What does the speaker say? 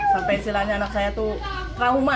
sampai silanya anak saya tuh krahuma